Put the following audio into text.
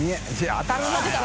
△当たる